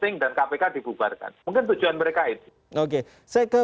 mungkin tujuan mereka itu oke saya ke